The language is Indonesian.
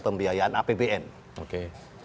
pembiayaan apbn oke